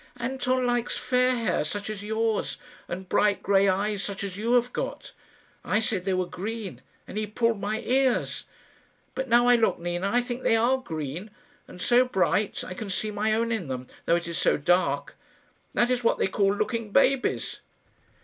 "Anton likes fair hair such as yours and bright grey eyes such as you have got. I said they were green, and he pulled my ears. But now I look, Nina, I think they are green. And so bright! I can see my own in them, though it is so dark. That is what they call looking babies."